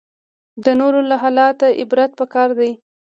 د نورو له حاله عبرت پکار دی